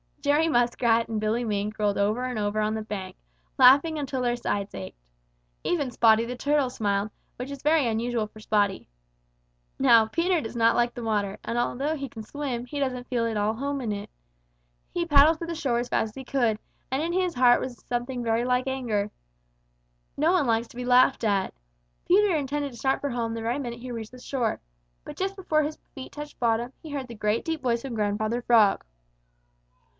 Jerry Muskrat and Billy Mink rolled over and over on the bank, laughing until their sides ached. Even Spotty the Turtle smiled, which is very unusual for Spotty. Now Peter does not like the water, and though he can swim, he doesn't feel at all at home in it. He paddled for the shore as fast as he could, and in his heart was something very like anger. No one likes to be laughed at. Peter intended to start for home the very minute he reached the shore. But just before his feet touched bottom, he heard the great, deep voice of Grandfather Frog.